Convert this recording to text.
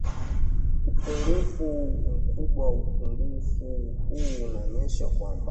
upungufu mkubwaUpungufu huu unaonyesha kwamba